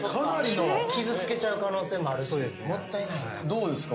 どうですか？